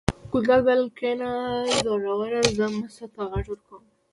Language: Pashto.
ګلداد وویل: کېنه زوروره زه مستو ته غږ کوم.